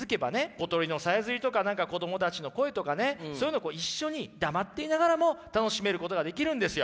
小鳥のさえずりとか何か子供たちの声とかねそういうのを一緒に黙っていながらも楽しめることができるんですよ。